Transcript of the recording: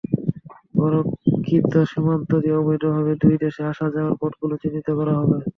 অরক্ষিত সীমান্ত দিয়ে অবৈধভাবে দুই দেশে আসা-যাওয়ার পথগুলো চিহ্নিত করা হবে।